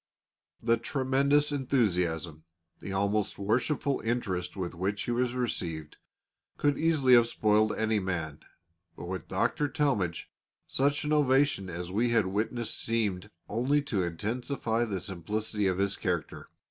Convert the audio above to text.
The tremendous enthusiasm, the almost worshipful interest with which he was received, could easily have spoiled any man, but with Dr. Talmage such an ovation as we had witnessed seemed only to intensify the simplicity of his character.